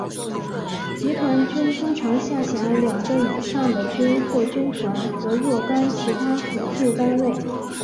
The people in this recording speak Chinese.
集团军通常下辖两个以上的军或军团和若干其他辅助单位。